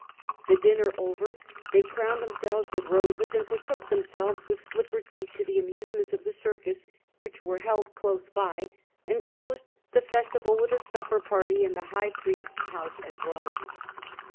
The dinner over, they crowned themselves with roses and betook themselves with slippered feet to the amusements of the circus which were held close by, and closed the festival with a supper party in the high priest's house at Rome.